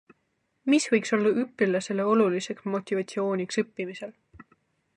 Mis võiks olla õpilasele oluliseks motivatsiooniks õppimisel?